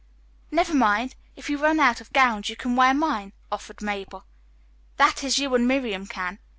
"Never mind, if you run out of gowns you can wear mine," offered Mabel. "That is, you and Miriam can.